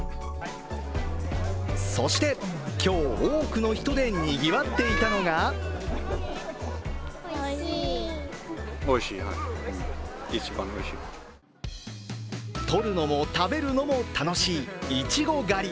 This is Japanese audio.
そして今日、多くの人でにぎわっていたのが取るのも食べるのも楽しい、いちご狩り。